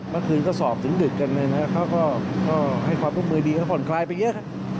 เมื่อคืนก็สอบถึงดึกกันเลยนะเขาก็ให้ความร่วมมือดีเขาผ่อนคลายไปเยอะ